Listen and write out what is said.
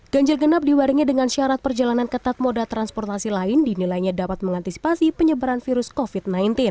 ganjil genap dibarengi dengan syarat perjalanan ketat moda transportasi lain dinilainya dapat mengantisipasi penyebaran virus covid sembilan belas